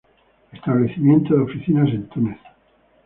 Establecimiento de oficinas en Túnez.